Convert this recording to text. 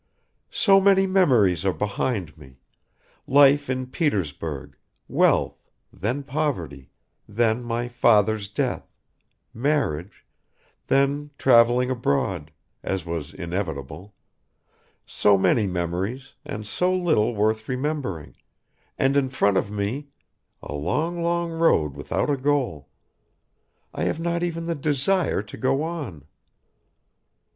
"So many memories are behind me; life in Petersburg, wealth, then poverty, then my father's death, marriage, then traveling abroad, as was inevitable ... so many memories and so little worth remembering, and in front of me a long, long road without a goal ... I have not even the desire to go on."